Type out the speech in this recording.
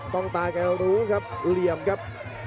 ต้องตาแกรู้ครับเหลี่ยมครับ